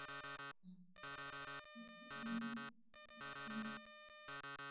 a ya kupata kura mia mbili na kumi na moja